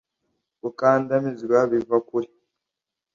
Gukandamizwa biva kure